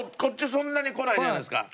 そんなにこないじゃないですか。